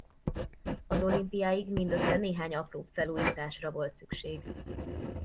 Az olimpiáig mindössze néhány apróbb felújításra volt szükség.